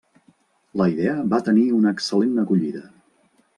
La idea va tenir una excel·lent acollida.